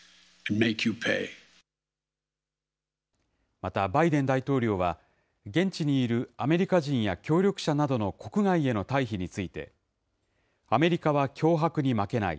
またバイデン大統領は、現地にいるアメリカ人や協力者などの国外への退避について、アメリカは脅迫に負けない。